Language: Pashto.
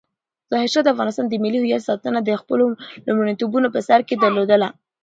ظاهرشاه د افغانستان د ملي هویت ساتنه د خپلو لومړیتوبونو په سر کې درلودله.